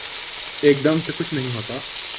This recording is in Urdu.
ایک دم سے کچھ نہیں ہوتا